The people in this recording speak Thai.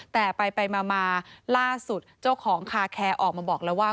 แต่ไปมาล่าสุดเจ้าของคาแคร์ออกมาบอกแล้วว่า